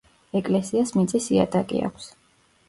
ეკლესიას მიწის იატაკი აქვს.